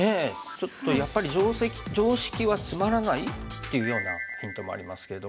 ちょっと「やっぱり常識はつまらない？」っていうようなヒントもありますけども。